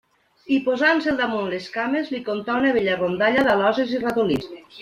I posant-se'l damunt les cames li contà una vella rondalla d'aloses i ratolins.